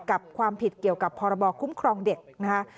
กับความผิดเกี่ยวกับพรบคุ้มครองเด็กนะคะ